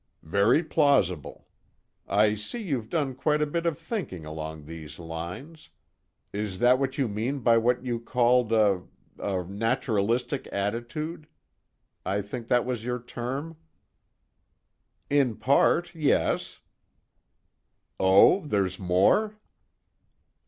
"Very plausible. I see you've done quite a bit of thinking along these lines. That is what you mean by what you called a a naturalistic attitude, I think that was your term?" "In part, yes." "Oh, there's more?"